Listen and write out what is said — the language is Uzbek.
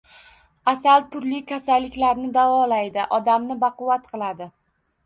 Asal turli kasalliklarni davolaydi, odamni baquvvat qiladi.